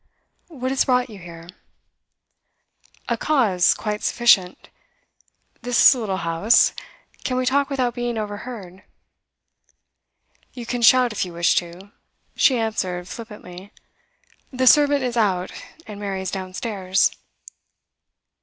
'What has brought you here?' 'A cause quite sufficient. This is a little house; can we talk without being overheard?' 'You can shout if you wish to,' she answered flippantly. 'The servant is Out, and Mary is downstairs.